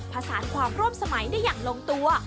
ผสานความร่วมสมัยได้อย่างลงตัว